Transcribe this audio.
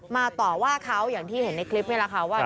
ต่อว่าเขาอย่างที่เห็นในคลิปนี่แหละค่ะว่า